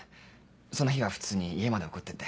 その日は普通に家まで送ってって。